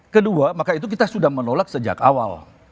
kedua maka itu kita sudah menolak sejak awal